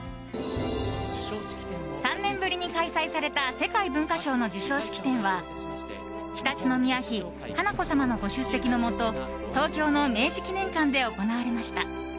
３年ぶりに開催された世界文化賞の授賞式典は常陸宮妃・華子さまのご出席のもと東京の明治記念館で行われました。